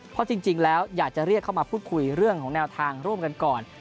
เพราะจริงแล้วอยากจะเรียกเข้ามาพูดคุยเรื่องของแนวทางร่วมกันก่อน